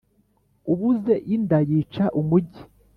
“ubuze inda yica umugi”